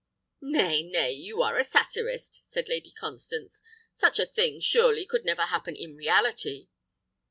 "Nay, nay, you are a satirist," said Lady Constance; "such a thing, surely, could never happen in reality."